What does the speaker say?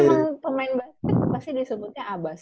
ya emang pemain basket pasti disebutnya abas